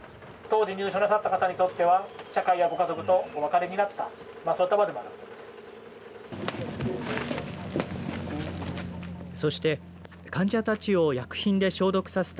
当時、入所された方にとっては社会やご家族とお別れになったそういった場所でもあります。